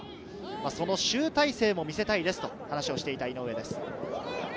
その集大成を見せたいですと話をしていた井上です。